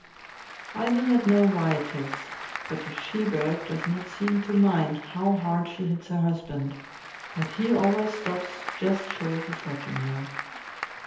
I do not know why it is, but a she bear does not seem to mind how hard she hits her husband, but he always stops just short of hurting her.